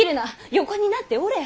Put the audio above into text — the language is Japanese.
横になっておれ！